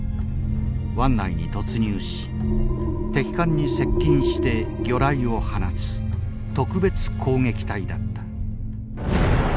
湾内に突入し敵艦に接近して魚雷を放つ特別攻撃隊だった。